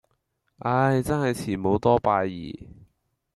唉,真係慈母多敗兒